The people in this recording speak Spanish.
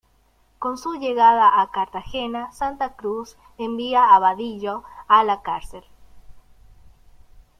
Con su llegada a Cartagena, Santa Cruz envía a Badillo a la cárcel.